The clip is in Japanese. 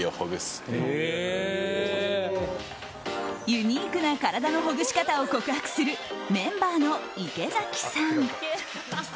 ユニークな体のほぐし方を告白する、メンバーの池崎さん。